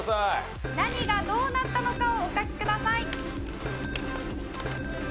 何がどうなったのかをお書きください。